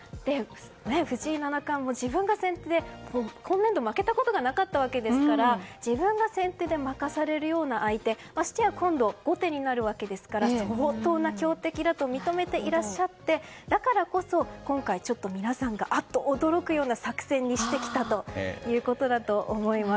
藤井七冠も自分が先手で今年度、負けたことがなかったわけですから自分が先手で負かされるような相手ましてや今度は後手になるわけですから相当な強敵だと認めていらっしゃってだからこそ今回ちょっと皆さんがアッと驚くような作戦にしてきたということだと思います。